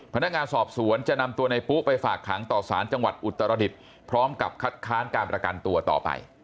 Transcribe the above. พนักงานสอบสวนจะนำตัวในปุ๊ไปฝากขังต่อสารจังหวัดอุตรดิษฐ์พร้อมกับคัดค้านการประกันตัวต่อไป